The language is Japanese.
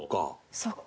そっか。